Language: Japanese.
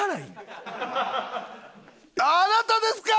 あなたですか！